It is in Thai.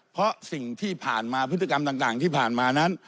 เพราะสิ่งที่ผ่านมาพฤติกรรมต่างที่ผ่านมานั้น